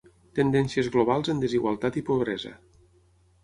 Tendències globals en desigualtat i pobresa.